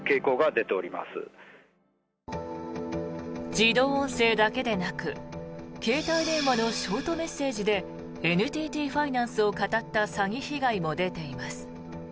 自動音声だけでなく携帯電話のショートメッセージでＮＴＴファイナンスをかたった詐欺被害も出ています。